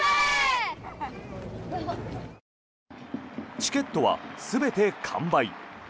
チケットは全て完売。